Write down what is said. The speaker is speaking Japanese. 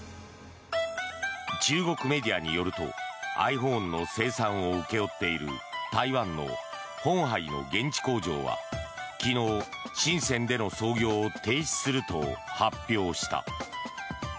中国メディアによるとｉＰｈｏｎｅの生産を請け負っている台湾の鴻海の現地工場は昨日、シンセンでの操業を停止すると発表した。